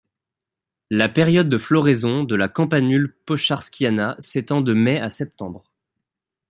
La période de floraison de la Campanule poscharskyana s'étend de mai à septembre.